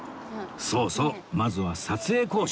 そうそうまずは撮影交渉。